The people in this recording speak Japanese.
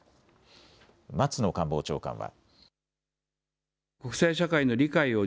松野官房長官は。